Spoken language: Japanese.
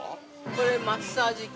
◆これマッサージ機？